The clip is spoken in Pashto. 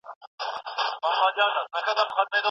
ایلي د مغزو سوېچونه بند شوي احساس کړل.